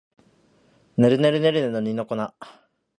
ねるねるねるねの二の粉